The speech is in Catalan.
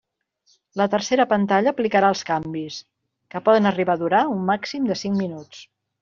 La tercera pantalla aplicarà els canvis, que poden arribar a durar un màxim de cinc minuts.